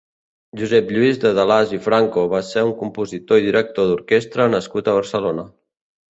Josep Lluís de Delàs i Franco va ser un compositor i director d'orquesta nascut a Barcelona.